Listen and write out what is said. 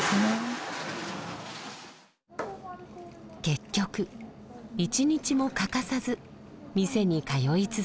結局１日も欠かさず店に通い続けました。